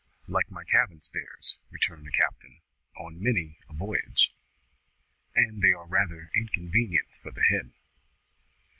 "Like my cabin stairs," returned the captain, "on many a voyage." "And they are rather inconvenient for the head."